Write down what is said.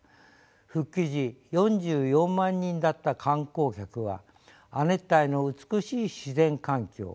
復帰時４４万人だった観光客は亜熱帯の美しい自然環境